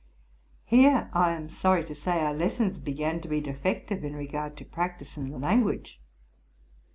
Here, I im sorry to say, our lessons began to be defective in regard to practice in the language.